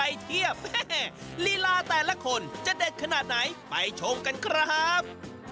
ลีลาแต่ละคนจะเด็ดขนาดไหนไปชมกันครับ